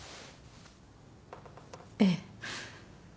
ええ。